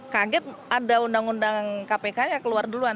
kaget ada undang undang kpk ya keluar duluan